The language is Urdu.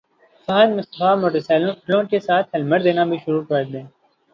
فہد مصطفی موٹر سائیکلوں کے ساتھ ہیلمٹ دینا بھی شروع کردیں